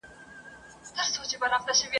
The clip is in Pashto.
ونه یم د پاڼ پر سر کږه یمه نړېږمه !.